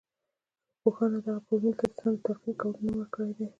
ارواپوهانو دغه فورمول ته د ځان ته د تلقين کولو نوم ورکړی دی.